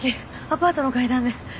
アパートの階段で。